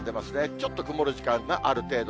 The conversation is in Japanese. ちょっと曇る時間がある程度。